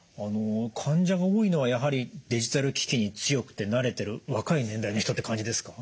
患者が多いのはやはりデジタル機器に強くて慣れてる若い年代の人って感じですか？